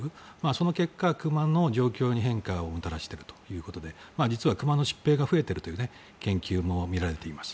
その結果、熊の状況に変化をもたらしているということで実は熊の疾病が増えているという研究もみられています。